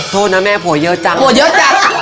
โทษนะแม่ผัวเยอะจังผัวเยอะจัง